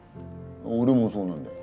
俺もそうなんだよ。